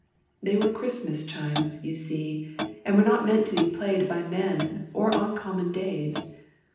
They were Christmas chimes, you see, and were not meant to be played by men or on common days.